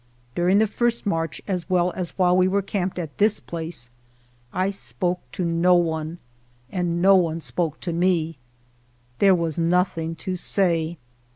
During the first march as well as while we were camped at this place I spoke to no one and no one spoke to me — there was nothing to say.